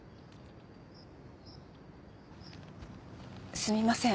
すみません。